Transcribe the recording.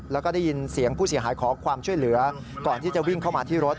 แล้วก็ได้ยินเสียงผู้เสียหายขอความช่วยเหลือก่อนที่จะวิ่งเข้ามาที่รถ